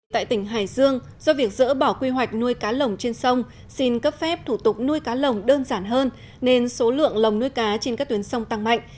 tại tỉnh hải dương do việc dỡ bỏ quy hoạch nuôi cá lồng trên sông xin cấp phép thủ tục nuôi cá lồng đơn giản hơn nên số lượng lồng nuôi cá trên các tuyến sông tăng mạnh